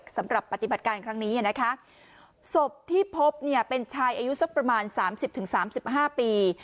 สำหรับปฏิบัติการครั้งนี้นะคะศพที่พบเนี่ยเป็นชายอายุสักประมาณสามสิบถึงสามสิบห้าปี